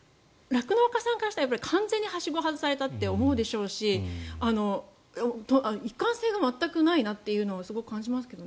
これ、酪農家さんからしたら完全にはしごを外されたって思うでしょうし一貫性が全くないなと感じますけどね。